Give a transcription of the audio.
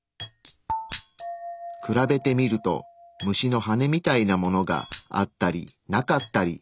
比べてみると虫の羽みたいなものがあったりなかったり。